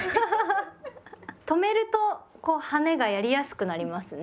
止めると「はね」がやりやすくなりますね。